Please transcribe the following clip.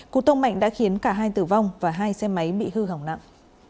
cú tông mạnh đã khiến cả hai tử vong và hai xe máy bị hư hỏng nặng